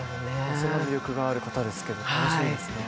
すごく魅力がある方ですけれども楽しみですね。